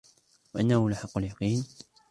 وإنه لحق اليقين